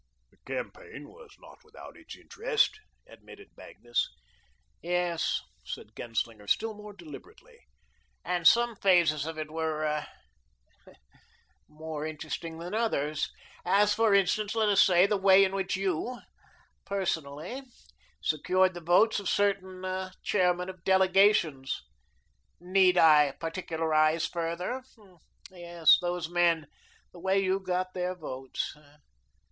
"The campaign was not without its interest," admitted Magnus. "Yes," said Genslinger, still more deliberately, "and some phases of it were more interesting than others, as, for instance, let us say the way in which you personally secured the votes of certain chairmen of delegations NEED I particularise further? Yes, those men the way you got their votes.